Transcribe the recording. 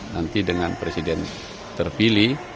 nanti dengan presiden terpilih